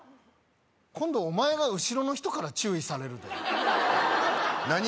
今度お前が後ろの人から注意されるで何が？